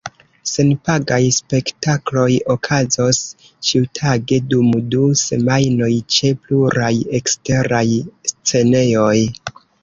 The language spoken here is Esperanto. Senpagaj spektakloj okazos ĉiutage dum du semajnoj ĉe pluraj eksteraj scenejoj.